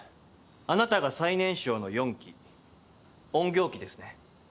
あなたが最年少の四鬼隠形鬼ですね。